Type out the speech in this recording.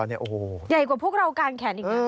ใหญ่กว่าพวกเรากานแขน